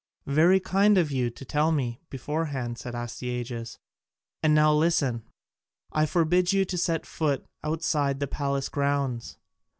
"Very kind of you to tell me, beforehand," said Astyages. "And now listen, I forbid you to set foot outside the palace grounds.